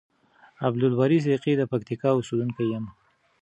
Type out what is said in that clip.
عبدالباری صدیقی د پکتیکا اوسیدونکی یم.